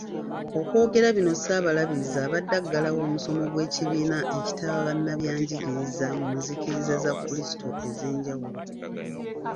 Okwogera bino Ssaabalabirizi abadde aggalawo omusomo gw’ekibiina ekitaba bannabyanjigiriza mu nzikiriza za Kulisito ez’enjawulo.